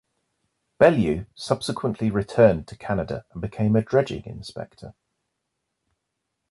Bellew subsequently returned to Canada and became a dredging inspector.